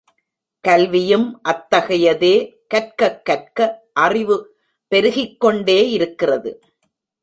கல்வியும் அத்தகையதே கற்கக் கற்க அறிவு பெருகிக்கொண்டே இருக்கிறது.